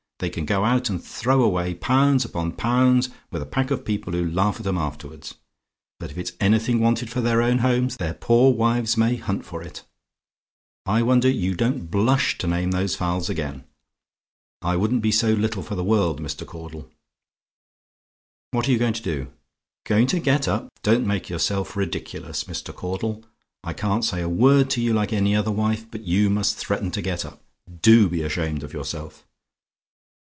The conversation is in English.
They can go out and throw away pounds upon pounds with a pack of people who laugh at 'em afterwards; but if it's anything wanted for their own homes, their poor wives may hunt for it. I wonder you don't blush to name those fowls again! I wouldn't be so little for the world, Mr. Caudle. "What are you going to do? "GOING TO GET UP? "Don't make yourself ridiculous, Mr. Caudle; I can't say a word to you like any other wife, but you must threaten to get up. DO be ashamed of yourself.